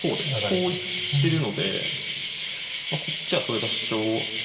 こう行ってるのでこっちはそれが主張。